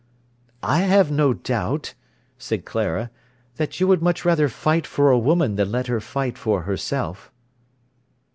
"I have no doubt," said Clara, "that you would much rather fight for a woman than let her fight for herself."